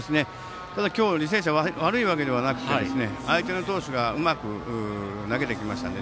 今日の履正社悪いわけではなくて相手の投手がうまく投げてきましたので。